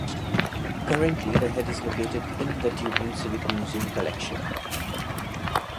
Currently the head is located in the Dublin Civic Museum collection.